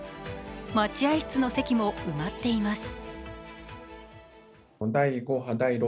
待合室の席も埋まっています。